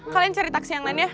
kalian cari taksi yang lainnya